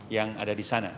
yang ada di sana